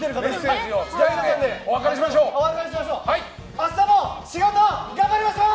明日も仕事、頑張りましょう！